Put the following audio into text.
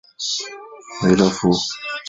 维勒纳夫迪拉图人口变化图示